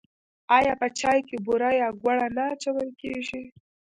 آیا په چای کې بوره یا ګوړه نه اچول کیږي؟